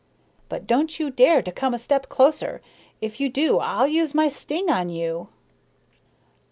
"But don't you dare to come a step closer. If you do I'll use my sting on you."